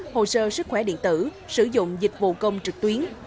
hồ sơ sức khỏe điện tử sử dụng dịch vụ công trực tuyến